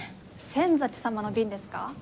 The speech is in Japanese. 仙崎様の便ですか？